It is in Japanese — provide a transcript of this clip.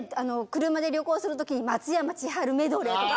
車で旅行する時に松山千春メドレーとか。